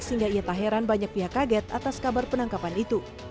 sehingga ia tak heran banyak pihak kaget atas kabar penangkapan itu